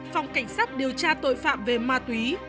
phòng cảnh sát điều tra tội phạm về ma túy